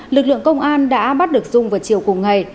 lực lượng công an đã bắt được dung vào chiều cùng ngày